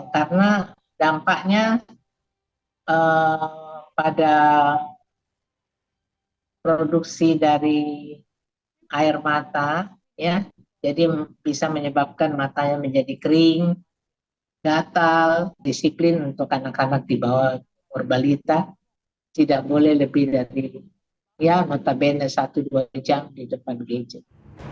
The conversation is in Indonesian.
karena dampaknya pada produksi dari air mata jadi bisa menyebabkan matanya menjadi kering gatal disiplin untuk anak anak di bawah verbalita tidak boleh lebih dari satu dua jam di depan gadget